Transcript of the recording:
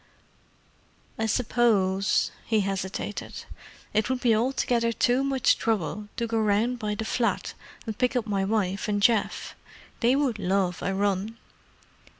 "I suppose—" he hesitated—"it would be altogether too much trouble to go round by the flat and pick up my wife and Geoff. They would love a run."